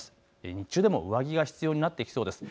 日中でも上着が必要になってきそうです。